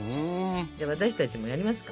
じゃあ私たちもやりますか？